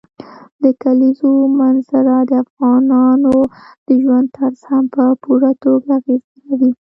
د کلیزو منظره د افغانانو د ژوند طرز هم په پوره توګه اغېزمنوي.